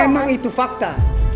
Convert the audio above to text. emang itu fakta